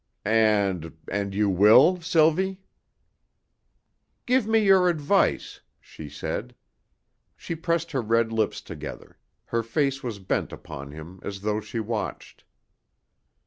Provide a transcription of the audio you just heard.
"And and you will, Sylvie?" "Give me your advice," she said. She pressed her red lips together; her face was bent upon him as though she watched.